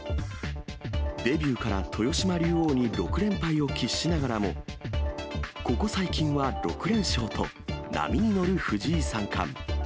デビューから豊島竜王に６連敗を喫しながらも、ここ最近は６連勝と、波に乗る藤井三冠。